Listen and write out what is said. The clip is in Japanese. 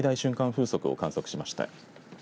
風速を観測しました。